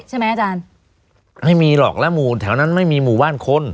อาจารย์ไม่มีหรอกแล้วหมู่แถวนั้นไม่มีหมู่บ้านคน